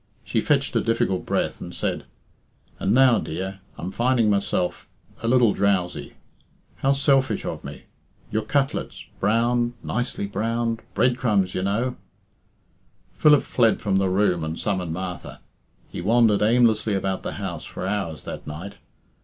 She fetched a difficult breath, and said "And now dear I'm finding myself a little drowsy how selfish of me your cutlets browned nicely browned breadcrumbs, you know " Philip fled from the room and summoned Martha. He wandered aimlessly about the house for hours that night.